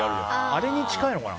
あれに近いのかな。